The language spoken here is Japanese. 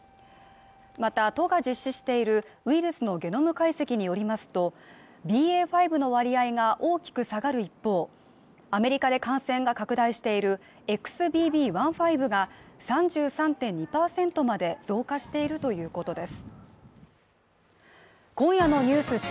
また都が実施しているウイルスのゲノム解析によりますと、ＢＡ．５の割合が大きく下がる一方、アメリカで感染が拡大しているＸＢＢ．１．５が３３．２％まで増加しているということです。